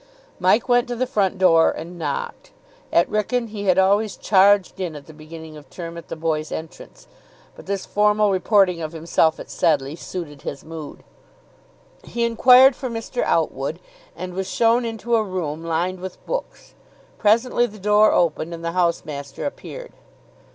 Mike went to the front door, and knocked. At Wrykyn he had always charged in at the beginning of term at the boys' entrance, but this formal reporting of himself at Sedleigh suited his mood. He inquired for Mr. Outwood, and was shown into a room lined with books. Presently the door opened, and the house master appeared.